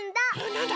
なんだ？